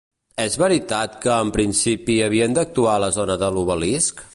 És veritat que en principi havien d'actuar a la zona de l'obelisc?